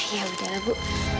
ya udah lah bu